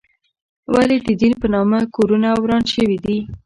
ولې د دین په نامه کورونه وران شوي دي؟